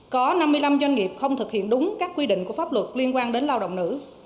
có năm mươi năm doanh nghiệp không thực hiện đúng các quy định của pháp luật liên quan đến lao động nữ